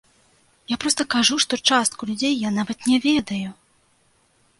Я проста кажу, што частку людзей я нават не ведаю!